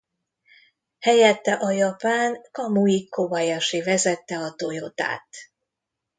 Helyette a japán Kamui Kobayashi vezette a Toyotát.